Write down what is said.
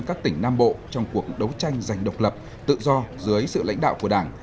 các tỉnh nam bộ trong cuộc đấu tranh giành độc lập tự do dưới sự lãnh đạo của đảng